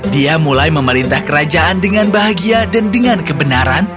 dia mulai memerintah kerajaan dengan bahagia dan dengan kebenaran